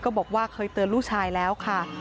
บอกว่าเคยเตือนลูกชายแล้วค่ะ